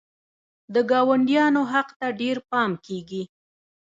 د ګاونډیانو حق ته ډېر پام کیږي.